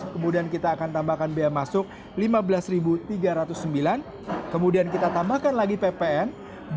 kemudian kita akan tambahkan biaya masuk lima belas tiga ratus sembilan kemudian kita tambahkan lagi ppn